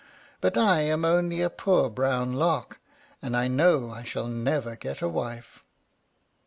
But I am only a poor brown Lark, and I know I shall never get a wife."